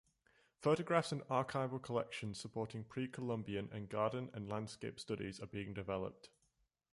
Photographs and archival collections supporting pre-Columbian and garden and landscape studies are being developed.